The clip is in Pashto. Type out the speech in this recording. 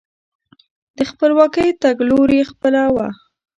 د خپلواکۍ تګلوري خپله وه.